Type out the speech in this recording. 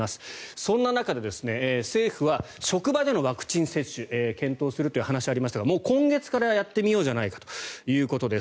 そんな中、政府は職場でのワクチン接種を検討するという話がありましたが今月からやってみようじゃないかということです。